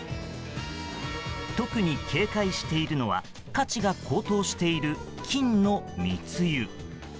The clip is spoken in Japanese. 特に警戒しているのは価値が高騰している金の密輸。